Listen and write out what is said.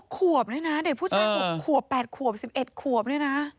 ขวบด้วยนะเด็กผู้ชาย๖ขวบ๘ขวบ๑๑ขวบเนี่ยนะ